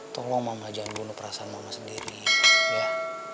tolong mama jangan bunuh perasaan mama sendiri ya